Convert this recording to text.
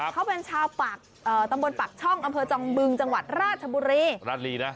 เขาเป็นชาวปากเอ่อตำบลปากช่องอำเภอจองบึงจังหวัดราชบุรีราชบุรีนะ